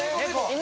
犬！